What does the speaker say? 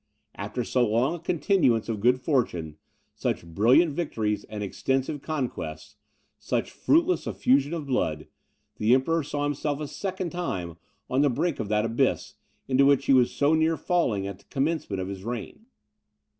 After so long a continuance of good fortune, such brilliant victories and extensive conquests, such fruitless effusion of blood, the Emperor saw himself a second time on the brink of that abyss, into which he was so near falling at the commencement of his reign.